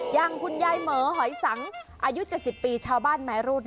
อย่างคุณยายเหมอหอยสังอายุ๗๐ปีชาวบ้านไม้รูด